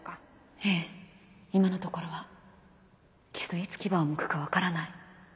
ええ今のところはけどいつ牙をむくか分からない